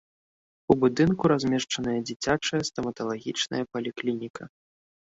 У будынку размешчаная дзіцячая стаматалагічная паліклініка.